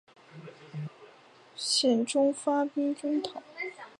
宪宗发兵征讨。